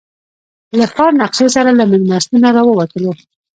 له ښار نقشې سره له مېلمستونه راووتلو.